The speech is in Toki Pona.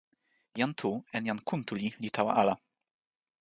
jan Tu en jan Kuntuli li tawa ala.